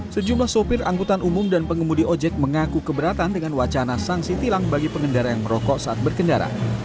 sejumlah sopir angkutan umum dan pengemudi ojek mengaku keberatan dengan wacana sanksi tilang bagi pengendara yang merokok saat berkendara